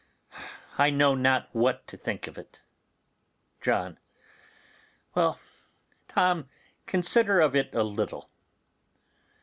I know not what to think of it. John. Well, Tom, consider of it a little.